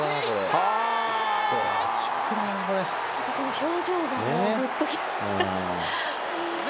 表情がグッときました。